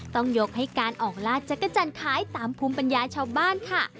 ต้องยกให้การออกลาดจักรจันทร์ขายตามภูมิปัญญาชาวบ้านค่ะ